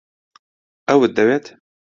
ئەوت دەوێت؟